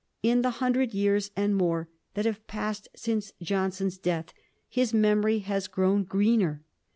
In the hundred years and more that have passed since Johnson's death, his memory has grown greener.